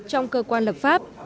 trong cơ quan lập pháp